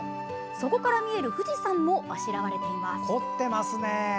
そこから見える富士山もあしらわれています。